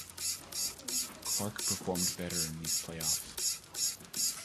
Clark performed better in these playoffs.